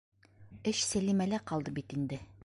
Эш Сәлимәлә ҡалды бит инде.